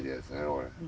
これ。